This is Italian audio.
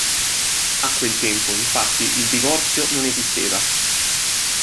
A quel tempo infatti il divorzio non esisteva.